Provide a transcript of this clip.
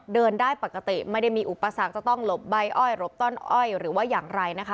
เดินได้ปกติไม่ได้มีอุปสรรคจะต้องหลบใบอ้อยหลบต้อนอ้อยหรือว่าอย่างไรนะคะ